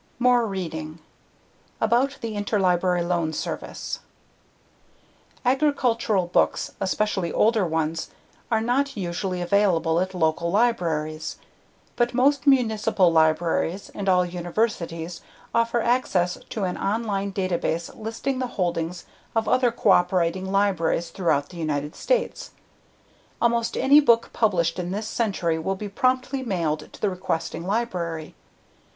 More Reading About the Interlibrary Loan Service Agricultural books, especially older ones, are not usually available at local libraries. But most municipal libraries and all universities offer access to an on line database listing the holdings of other cooperating libraries throughout the United States. Almost any book published in this century will be promptly mailed to the requesting library.